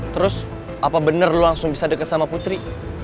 terus apa bener lo langsung bisa deket sama putri